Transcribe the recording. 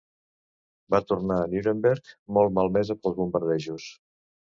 Va tornar a Nuremberg, molt malmesa pels bombardejos.